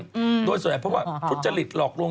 อืมโดยส่วนใหญ่เพราะว่าทุจริตหลอกลวง